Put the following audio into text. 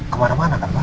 kemana mana kan pak